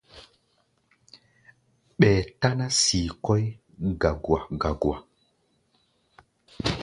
Ɓɛɛ táná sii kɔ́ʼí gagua-gagua.